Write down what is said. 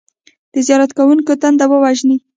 د زیارت کوونکو تنده ووژني.